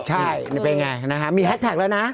ใช่นี่เป็นไงนะฮะมีแฮสแท็กแล้วนะ